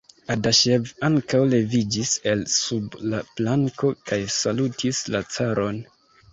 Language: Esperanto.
Adaŝev ankaŭ leviĝis el sub la planko, kaj salutis la caron.